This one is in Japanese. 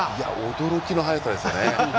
驚きの早さですね。